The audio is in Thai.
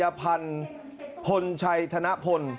อาทิตย์๒๕อาทิตย์